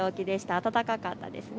高かったですね。